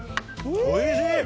おいしい！